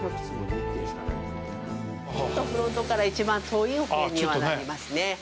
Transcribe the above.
フロントから一番遠いお部屋にはなりますね。